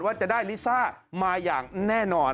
ว่าจะได้ลิซ่ามาอย่างแน่นอน